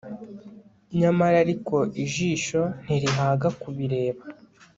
nyamara ariko ijisho ntirihaga kubireba